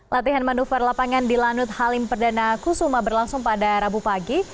latihan manuver lapangan di lanut halim perdana kusuma berlangsung pada rabu pagi